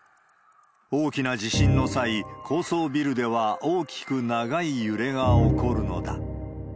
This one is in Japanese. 大きな地震の際、高層ビルでは大きく長い揺れが起こるのだ。